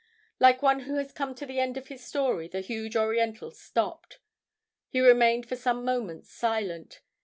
Like one who has come to the end of his story, the huge Oriental stopped. He remained for some moments silent.